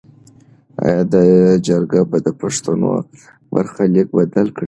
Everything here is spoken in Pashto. ایا دا جرګه به د پښتنو برخلیک بدل کړي؟